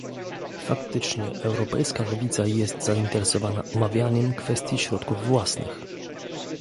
Faktycznie europejska lewica jest zainteresowana omawianiem kwestii środków własnych